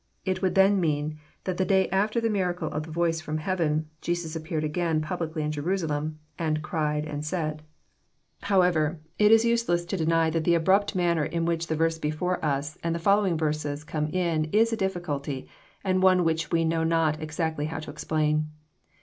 It would then mean that the day after the miracle of the voice from heav en, Jesus appeared again publicly in Jerusalem, and ''cried and said." r JOHN, CHAP. XII. 875 However, it !s useless to deny that the abrupt manner in which the verse before ns and the following verses come in is a difficulty, and one which we know not exactly how to explain.